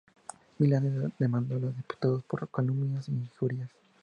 Milani demandó a los diputados por calumnias e injurias.